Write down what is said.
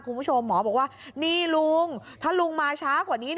คุณผู้ชมหมอบอกว่านี่ลุงถ้าลุงมาช้ากว่านี้